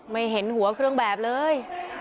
ไม่เห็นหัวเครื่องแบบเลย